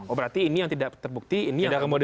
oh berarti ini yang tidak terbukti ini yang kemudian